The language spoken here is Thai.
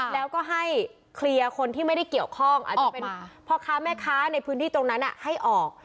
แล้วก็ให้เคลียร์คนที่ไม่ได้เกี่ยวข้องอาจจะเป็นพ่อค้าแม่ค้าในพื้นที่ตรงนั้นให้ออก